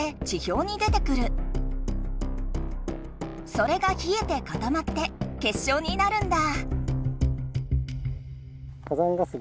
それがひえてかたまって結晶になるんだ。